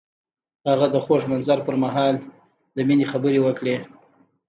هغه د خوږ منظر پر مهال د مینې خبرې وکړې.